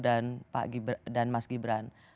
dan pak dan mas gibran